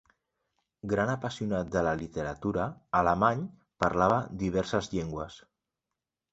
Gran apassionat de la literatura, Alemany parlava diverses llengües.